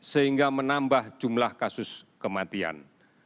sehingga menambah jumlah kasus kematian